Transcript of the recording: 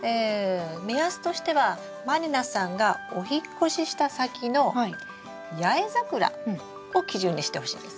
目安としては満里奈さんがお引っ越しした先の八重桜を基準にしてほしいんです。